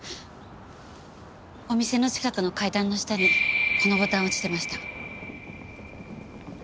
お店の近くの階段の下にこのボタン落ちてました。